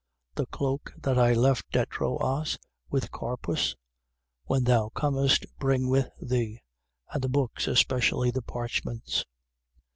4:13. The cloak that I left at Troas, with Carpus, when thou comest, bring with thee: and the books, especially the parchments.